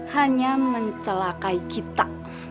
hanya mencelakai gita